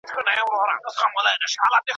خپلي هڅې په سیستماتیک ډول مخته یوسئ.